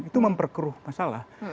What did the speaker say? itu memperkeruh masalah